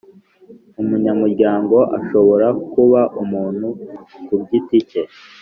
Umunyamuryango ashobora kuba umuntu kugiti cye